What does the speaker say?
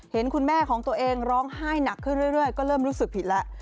เห็นคุณแม่ของตัวเองร้องไห้หนักขึ้นเรื่อยก็เริ่มรู้สึกผิดแล้ว